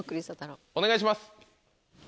お願いします。